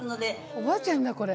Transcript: おばあちゃんだこれ。